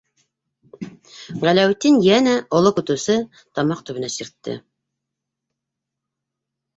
Ғәләүетдин йәнә... - оло көтөүсе тамаҡ төбөнә сиртте.